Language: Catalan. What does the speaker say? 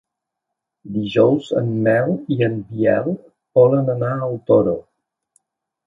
Dijous en Nel i en Biel volen anar al Toro.